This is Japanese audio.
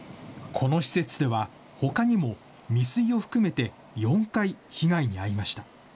この施設では、ほかにも未遂を含めて４回、被害に遭いました。